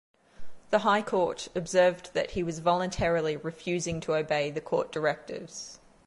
The High Court observed that he was voluntarily refusing to obey the court directives.